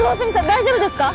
大丈夫ですか？